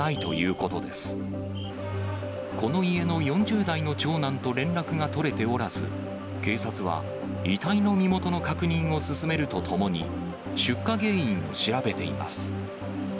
この家の４０代の長男と連絡が取れておらず、警察は遺体の身元の確認を進めるとともに、出火原因を調べています。